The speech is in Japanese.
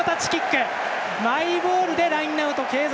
マイボールでラインアウト継続。